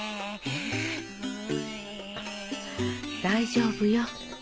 大丈夫よ。